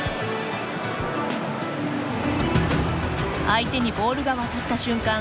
相手にボールが渡った瞬間